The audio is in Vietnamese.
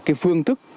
cái phương thức